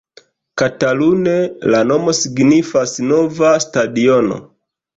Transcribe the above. Katalune, la nomo signifas nova stadiono.